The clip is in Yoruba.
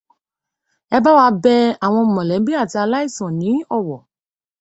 Ẹ bá wa bẹ àwọn mọ̀lẹ́bí àti aláìsàn ní Ọ̀wọ̀.